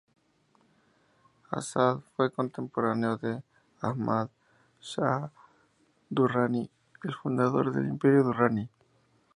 Azad fue contemporáneo de Ahmad Shah Durrani, el fundador del imperio durrani.